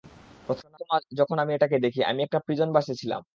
প্রথম যখন আমি এটাকে দেখি, আমি একটা প্রিজন বাসে ছিলাম।